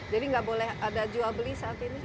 jadi tidak boleh ada jual beli saat ini